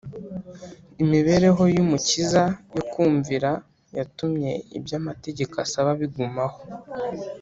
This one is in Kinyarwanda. imibereho y’umukiza yo kumvira yatumye ibyo amategeko asaba bigumaho;